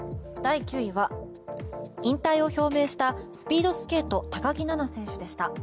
第９位は、引退を表明したスピードスケート高木菜那選手でした。